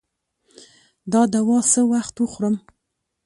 دا دوا څه وخت وخورم؟